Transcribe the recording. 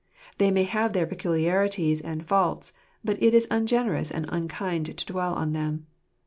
They may have their peculiarities and faults ; but it is ungenerous and unkind to dwell on them.